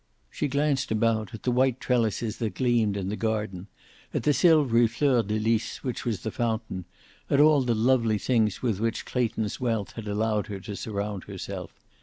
She glanced about, at the white trellises that gleamed in the garden, at the silvery fleur de lis which was the fountain, at all the lovely things with which Clayton's wealth had allowed her to surround herself.